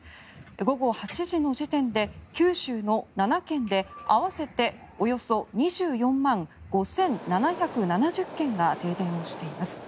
午後８時の時点で九州の７県で合わせておよそ２４万５７７０軒が停電しています。